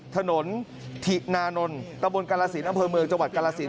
ถนนถินานนท์ตะบนกาลสินอำเภอเมืองจังหวัดกาลสิน